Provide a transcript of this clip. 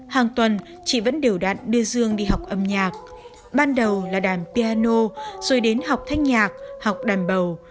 hàng tuần chị vẫn đều đặn đưa dương đi học âm nhạc ban đầu là đàn piano rồi đến học thanh nhạc học đàn bầu